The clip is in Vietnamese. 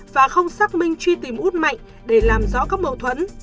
và không xác minh truy tìm út mạnh để làm rõ các mâu thuẫn